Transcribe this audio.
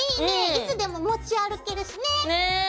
いつでも持ち歩けるしね！ね。